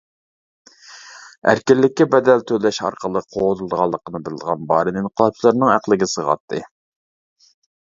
ئەركىنلىككە بەدەل تۈلەش ئارقىلىق قوغدىلىدىغانلىقىنى بىلىدىغان بارىن ئىنقىلابچىلىرىنىڭ ئەقلىگە سىغاتتى.